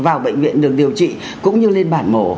vào bệnh viện được điều trị cũng như lên bản mổ